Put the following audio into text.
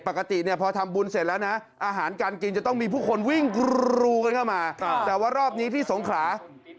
ปกติพอทำบุญเสร็จแล้วนะ